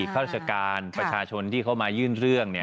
ข้าราชการประชาชนที่เขามายื่นเรื่อง